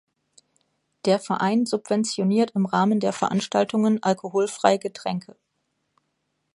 Der Verein subventioniert im Rahmen der Veranstaltungen, alkoholfrei Getränke.